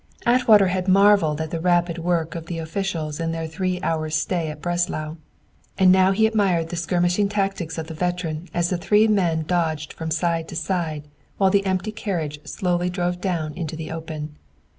Atwater had marvelled at the rapid work of the officials in their three hours' stay at Breslau, and now he admired the skirmishing tactics of the veteran as the three men dodged from side to side while the empty carriage slowly drove down into the open.